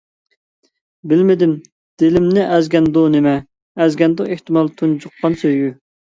بىلمىدىم دىلىمنى ئەزگەندۇ نېمە، ئەزگەندۇ ئېھتىمال تۇنجۇققان سۆيگۈ.